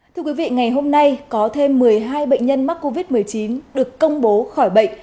thưa quý vị ngày hôm nay có thêm một mươi hai bệnh nhân mắc covid một mươi chín được công bố khỏi bệnh